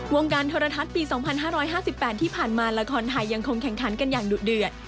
การโทรทัศน์ปี๒๕๕๘ที่ผ่านมาละครไทยยังคงแข่งขันกันอย่างดุเดือด